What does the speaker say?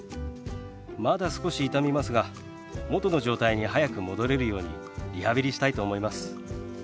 まだ少し痛みますが元の状態に早く戻れるようにリハビリしたいと思います。